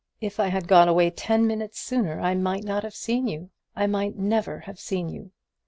If I had gone away ten minutes sooner, I might not have seen you I might never have seen you.